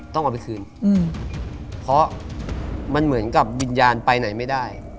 ต้องเอาไปคืนเพราะมันเหมือนกับวิญญาณไปไหนไม่ได้